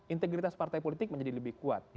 integritas partai politik menjadi lebih kuat